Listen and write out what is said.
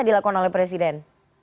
dilakukan oleh presiden